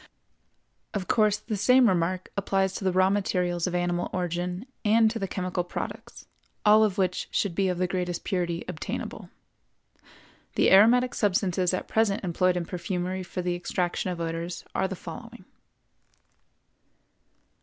Of course, the same remark applies to the raw materials of animal origin and to the chemical products, all of which should be of the greatest purity obtainable. The aromatic substances at present employed in perfumery for the extraction of odors are the following.